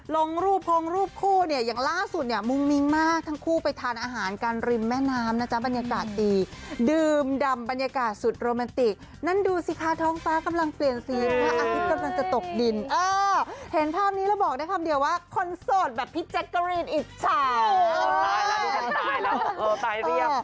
ลงรูปพงรูปคู่เนี่ยอย่างล่าสุดเนี่ยมุ้งมิ้งมากทั้งคู่ไปทานอาหารกันริมแม่น้ำนะจ๊ะบรรยากาศดีดื่มดำบรรยากาศสุดโรแมนติกนั่นดูสิคะท้องฟ้ากำลังเปลี่ยนซีนพระอาทิตย์กำลังจะตกดินเออเห็นภาพนี้แล้วบอกได้คำเดียวว่าคนโสดแบบพี่แจ๊กกะรีนอิจฉาย